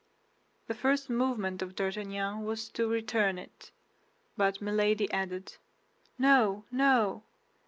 The first movement of D'Artagnan was to return it, but Milady added, "No, no!